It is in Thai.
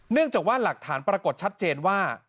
จากว่าหลักฐานปรากฏชัดเจนว่า